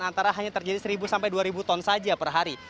antara hanya terjadi seribu sampai dua ribu ton saja per hari